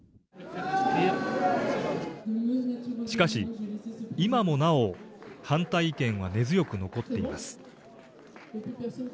しかし、今もなお、反対意見は根強く残っています。